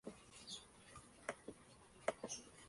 Tuvo lugar en la Royal Society of Arts en Londres.